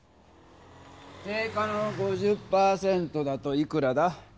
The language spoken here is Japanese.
定価の５０％だといくらだ？